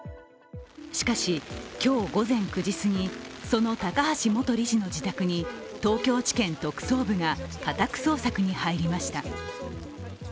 しかし、今日午前９時すぎその高橋元理事の自宅に東京地検特捜部が家宅捜索に入りました。